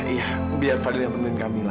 iya biar fadil yang temenin kamila